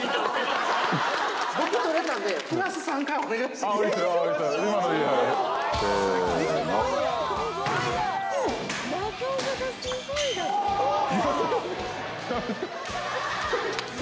僕、取れたんで、プラス３回、お願いします。